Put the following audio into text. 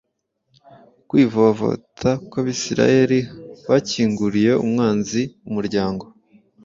Kwivovota kw’abisirayeli kwakinguriye umwanzi umuryango,